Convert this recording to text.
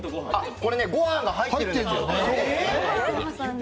これねごはんが入っているんですよ。